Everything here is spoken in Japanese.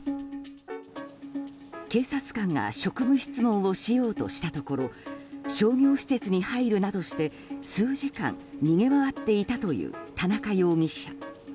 警察官が職務質問をしようとしたところ商業施設に入るなどして数時間逃げ回っていたという田中容疑者。